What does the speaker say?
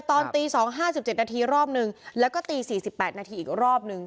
แต่ตอนตีสองห้าสิบเจ็ดนาทีรอบหนึ่งแล้วก็ตีสี่สิบแปดนาทีอีกรอบหนึ่ง